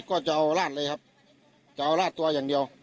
ก็จะเอาราดเลยครับจะเอาราดตัวอย่างเดียว